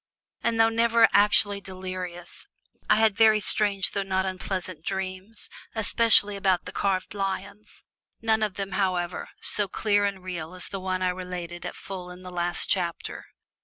And though never actually delirious, I had very strange though not unpleasant dreams, especially about the carved lions; none of them, however, so clear and real as the one I related at full in the last chapter.